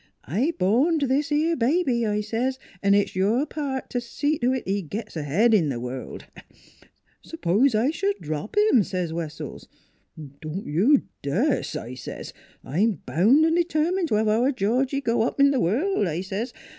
I horned this 'ere baby,' I says, ' 'n' it's your part t' see to it he gits ahead in th' world.' ...* Suppose I sh'd drop 'im? ' says Wessells. ' Don't you das,' I says. ' I'm boun' an' de termined t' have our Georgie go up in th' world,' I says.